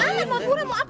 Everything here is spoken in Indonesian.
nggak mau murah mau apa